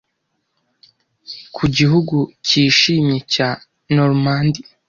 ku gihugu cyishimye cya normandy